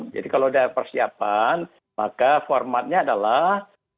jadi kalau daerah persiapan maka formatnya adalah